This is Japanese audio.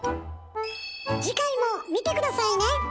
次回も見て下さいね！